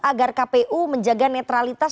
agar kpu menjaga netralitas